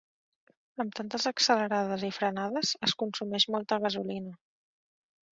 Amb tantes accelerades i frenades es consumeix molta gasolina.